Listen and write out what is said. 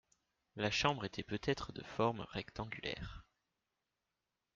La chambre était peut-être de forme rectangulaire.